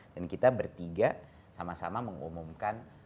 dan kita bertiga sama sama mengumumkan